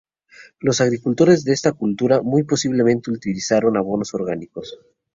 Los agricultores de esta cultura muy posiblemente utilizaron abonos orgánicos.